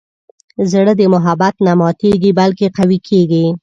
زړه د محبت نه ماتیږي، بلکې قوي کېږي.